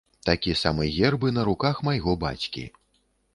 Такі самы герб і на руках майго бацькі.